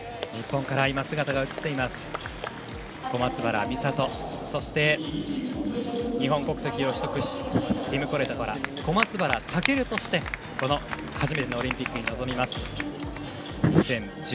日本からは小松原美里そして日本国籍を取得しティム・コレトから小松原尊として初めてのオリンピックに臨みます。